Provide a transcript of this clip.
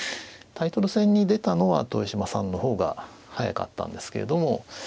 タイトル戦に出たのは豊島さんの方が早かったんですけれども。